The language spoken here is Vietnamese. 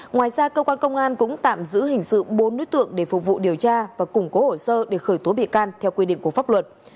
ngoài ra cơ quan công an cũng tạm giữ hình sự bốn đối tượng để phục vụ điều tra và củng cố hồ sơ để khởi tố bị can theo quy định của pháp luật